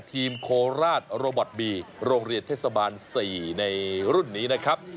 โคราชโรบอตบีโรงเรียนเทศบาล๔ในรุ่นนี้นะครับ